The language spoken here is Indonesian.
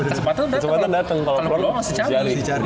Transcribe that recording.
kesempatan dateng kalo peluang harus dicari